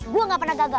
gua ga pernah gagal